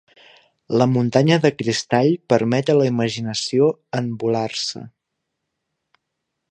La muntanya de cristall permet a la imaginació envolar-se.